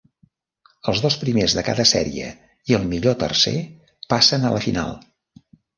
Els dos primers de cada sèrie i el millor tercer passen a la final.